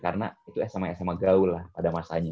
karena itu sma sma gaul lah pada masanya